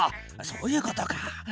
そういうことか。